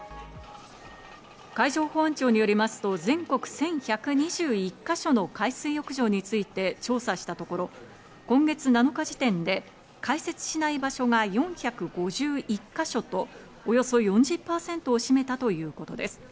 海上保安庁によりますと、全国１１２１か所の海水浴場について調査したところ、今月７日時点で開設しない場所が４５１か所と、およそ４０％を占めたということです。